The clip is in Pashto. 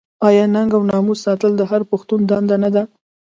آیا ننګ او ناموس ساتل د هر پښتون دنده نه ده؟